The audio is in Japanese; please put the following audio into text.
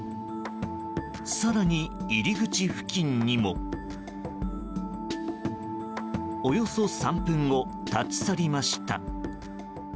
更に、入り口付近にも。およそ３分後立ち去りました。